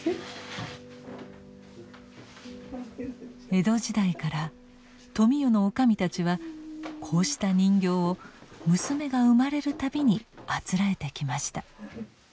江戸時代から富美代の女将たちはこうした人形を娘が生まれる度にあつらえてきました。